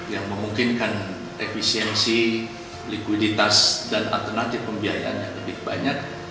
yang memungkinkan efisiensi likuiditas dan alternatif pembiayaannya lebih banyak